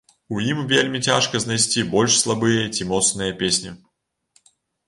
У ім вельмі цяжка знайсці больш слабыя, ці моцныя песні.